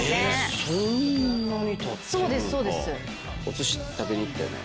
おすし食べに行ったよね。